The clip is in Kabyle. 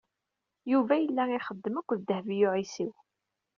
Yuba yella ixeddem akked Dehbiya u Ɛisiw.